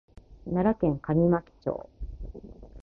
奈良県上牧町